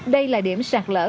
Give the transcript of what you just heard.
đây là điểm sạt lỡ